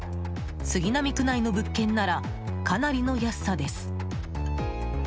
杉並区内の物件ならかなりの安さです。